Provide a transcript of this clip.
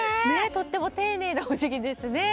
とっても丁寧なおじぎですね。